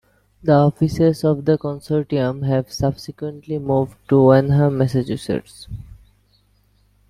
The offices of the Consortium have subsequently moved to Wenham, Massachusetts.